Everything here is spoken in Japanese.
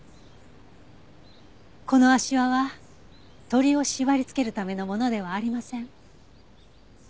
この足環は鳥を縛りつけるためのものではありません。